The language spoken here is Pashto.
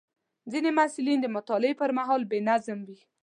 ځینې محصلین د مطالعې پر مهال بې نظم وي.